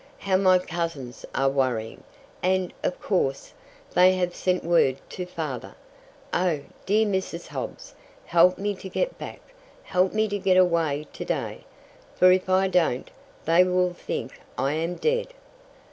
How my cousins are worrying, and, of course, they have sent word to father. Oh, dear Mrs. Hobbs, help me to get back! Help me to get away to day, for if I don't they will think I am dead!"